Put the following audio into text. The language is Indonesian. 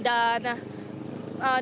anda dapat mengakses jalur selatan